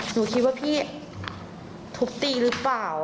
หนูคิดว่าพี่ทุบตีหรือเปล่า